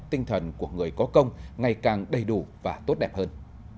tinh thần của người có công ngày càng đầy đủ và tốt đẹp hơn